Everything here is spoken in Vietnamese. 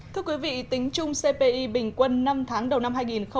thưa quý vị tính chung cpi bình quân năm tháng đầu năm hai nghìn một mươi chín